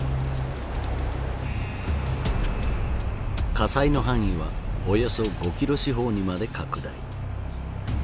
火災の範囲はおよそ５キロ四方にまで拡大。